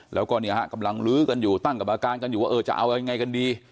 แล้วก็เนี่ยฮะกำลังลื้อกันอยู่ตั้งกรรมการกันอยู่ว่าเออจะเอายังไงกันดี